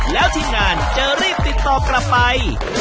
แล้วทีมงานจะรีบติดต่อกลับไป